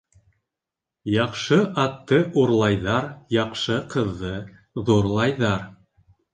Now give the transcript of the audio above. Яҡшы атты урлайҙар, яҡшы ҡыҙҙы ҙурлайҙар.